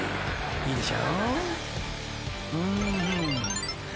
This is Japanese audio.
［いいでしょ？］